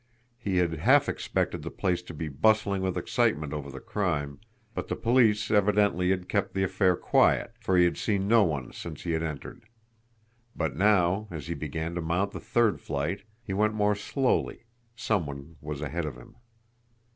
He had half expected the place to be bustling with excitement over the crime; but the police evidently had kept the affair quiet, for he had seen no one since he had entered. But now, as he began to mount the third flight, he went more slowly some one was ahead of him.